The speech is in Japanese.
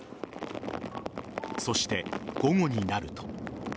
そして、午後になると。